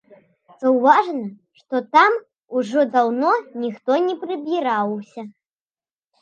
Заўважна, што там ужо даўно ніхто не прыбіраўся.